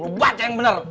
lo baca yang bener